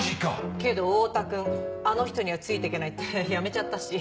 けど太田君あの人にはついていけないって辞めちゃったし。